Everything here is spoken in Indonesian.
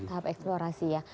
tahap eksplorasi ya